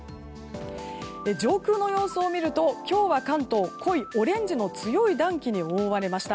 上空の様子を見ると今日は関東濃いオレンジの強い暖気に覆われました。